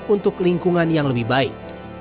untuk lingkungan yang lebih baik